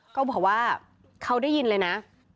เขาบอกว่าเขาได้ยินเลยนะ